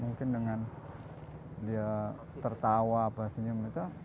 mungkin dengan dia tertawa apa senyum itu